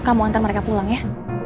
kamu antar mereka pulang ya